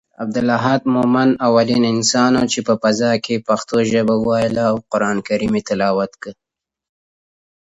د سپوږمۍ او ځمکې واټن د فضا په کچه ډېر کم دی.